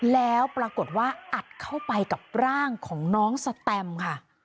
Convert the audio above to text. แล้วปรากฏว่าอัดเข้าไปกับร่างของน้องสแตมค่ะ